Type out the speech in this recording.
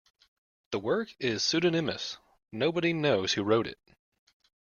The work is pseudonymous: nobody knows who wrote it.